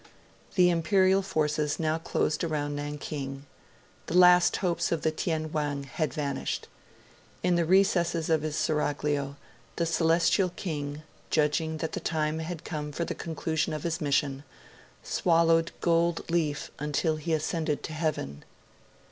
The Imperial forces now closed round Nankin; the last hopes of the Tien Wang had vanished. In the recesses of his seraglio, the Celestial King, judging that the time had come for the conclusion of his mission, swallowed gold leaf until he ascended to Heaven.